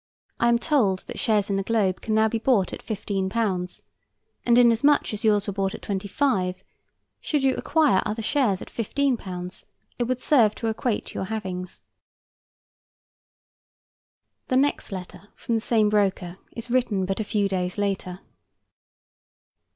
I am told that shares in the Globe can now be bought at £15; and inasmuch as yours were bought at £25, should you acquire other shares at £15, it would serve to equate your havings. The next letter, from the same broker, is written but a few days later.